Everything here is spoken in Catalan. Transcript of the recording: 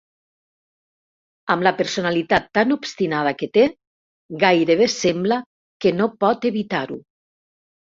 Amb la personalitat tan obstinada que té, gairebé sembla que no pot evitar-ho.